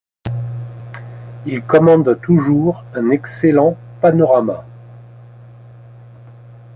Il commande toujours un excellent panorama.